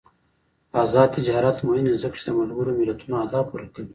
آزاد تجارت مهم دی ځکه چې د ملګرو ملتونو اهداف پوره کوي.